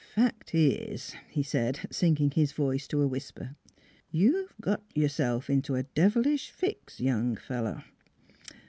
" Fact is," he said, sinking his voice to a whisper, " you've got yourself into a devilish fix, young fellow.